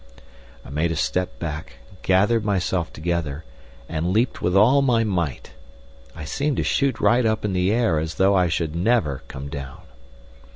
I made a step back, gathered myself together, and leapt with all my might. I seemed to shoot right up in the air as though I should never come down.